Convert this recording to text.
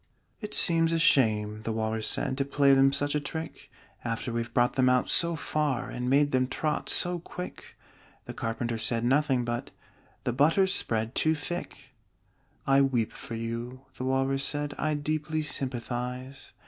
"It seems a shame," the Walrus said, "To play them such a trick, After we've brought them out so far, And made them trot so quick!" The Carpenter said nothing but "The butter's spread too thick!" "I weep for you," the Walrus said; "I deeply sympathize."